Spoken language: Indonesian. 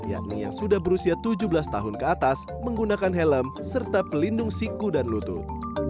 yakni yang sudah berusia tujuh belas tahun ke atas menggunakan helm serta pelindung siku dan lutut